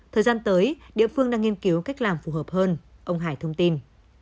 thời gian tới địa phương đang nghiên cứu cách làm phù hợp hơn ông hải thông tin